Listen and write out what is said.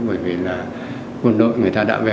bởi vì là quân đội